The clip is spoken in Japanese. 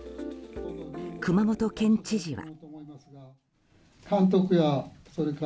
熊本県知事は。